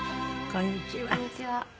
こんにちは。